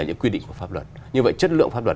những quy định của pháp luật như vậy chất lượng pháp luật